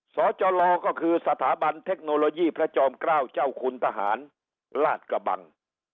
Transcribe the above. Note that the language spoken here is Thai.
สจลก็คือสถาบันเทคโนโลยีพระจอมเกล้าเจ้าคุณทหารลาดกระบัง